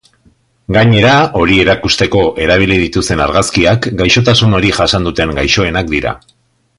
Gainera, hori erakusteko erabili dituzten argazkiak gaixotasun hori jasan duten gaixoenak dira.